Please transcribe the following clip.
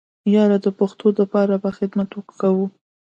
ياره د پښتو د پاره به خدمت کوو.